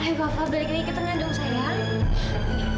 ayo kava balik balik ke tengah dulu sayang